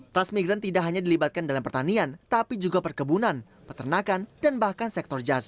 transmigran tidak hanya dilibatkan dalam pertanian tapi juga perkebunan peternakan dan bahkan sektor jasa